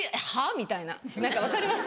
みたいな何か分かります？